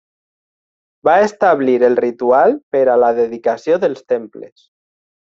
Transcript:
Va establir el ritual per a la dedicació dels temples.